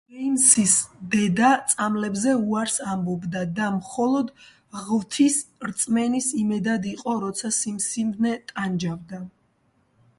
ჯეიმზის დედა წამლებზე უარს ამბობდა და მხოლოდ ღვთის რწმენის იმედად იყო, როცა სიმსივნე ტანჯავდა.